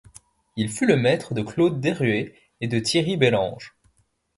Il fut le maître de Claude Deruet et de Thierry Bellange.